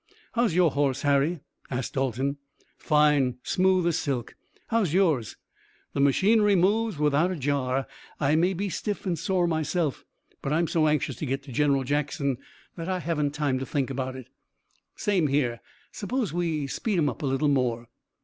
"How's your horse, Harry?" asked Dalton. "Fine. Smooth as silk! How's yours?" "The machinery moves without a jar. I may be stiff and sore myself, but I'm so anxious to get to General Jackson that I haven't time to think about it." "Same here. Suppose we speed 'em up a little more."